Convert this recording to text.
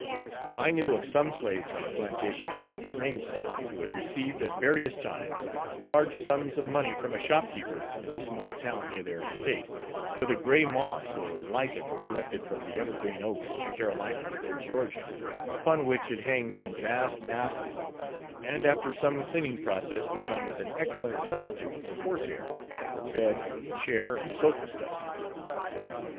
I knew of some slaves on a plantation in the extreme South who had received, at various times, large sums of money from a shopkeeper in the small town near their estate, for the grey moss or lichen collected from the evergreen oaks of Carolina and Georgia, upon which it hangs in vast masses, and after some cleaning process becomes an excellent substitute for horse hair, for bed, chair, and sofa stuffing.